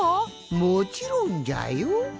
もちろんじゃよ。